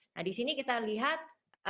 nah di sini kita lihat